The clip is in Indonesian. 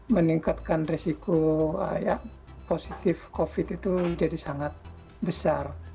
meningkatkan risiko positif covid itu jadi sangat besar